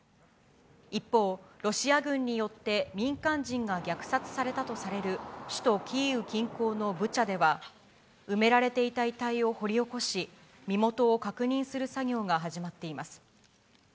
一方、ロシア軍によって民間人が虐殺されたとされる首都キーウ近郊のブチャでは、埋められていた遺体を掘り起こし、身元を確認する作業が始まっています。